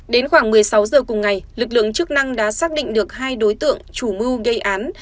đến khoảng một mươi sáu giờ cùng ngày lực lượng chức năng đã xác định được hai đối tượng chủ mưu gây án